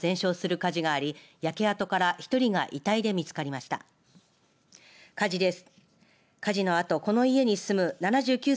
火事です。